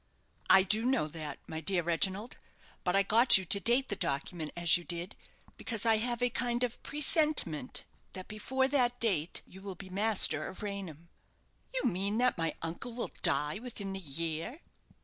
"I do know that, my dear Reginald; but I got you to date the document as you did, because I have a kind of presentiment that before that date you will be master of Raynham!" "You mean that my uncle will die within the year?"